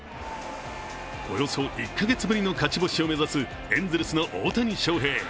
およそ１か月ぶりの勝ち星を目指すエンゼルスの大谷翔平。